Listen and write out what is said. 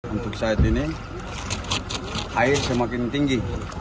untuk saat ini air semakin tinggi